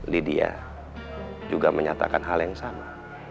lydia juga menyatakan hal yang sama